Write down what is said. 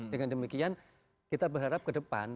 dengan demikian kita berharap ke depan